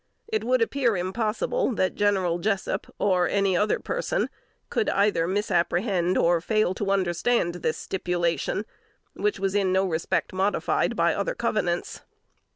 It would appear impossible that General Jessup, or any other person, could either misapprehend or fail to understand this stipulation, which was in no respect modified by other covenants.